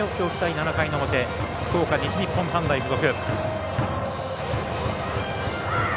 ７回の表福岡、西日本短大付属。